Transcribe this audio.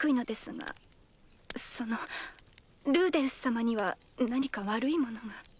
そのルーデウス様には何か悪いものが。